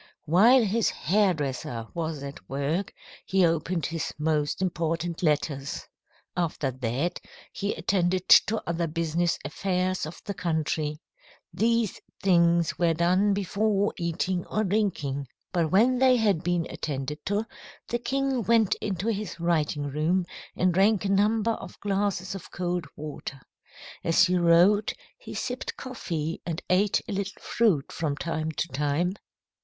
"While his hair dresser was at work, he opened his most important letters. After that, he attended to other business affairs of the country. These things were done before eating or drinking. But when they had been attended to, the king went into his writing room and drank a number of glasses of cold water. As he wrote, he sipped coffee and ate a little fruit from time to time.